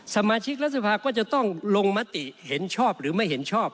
สมาชิกรัฐสภาก็จะต้องลงมติเห็นชอบหรือไม่เห็นชอบ